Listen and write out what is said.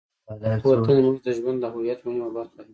وطن زموږ د ژوند او هویت مهمه برخه ده.